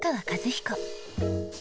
和彦。